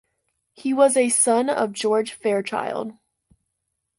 He was a son of George Fairchild.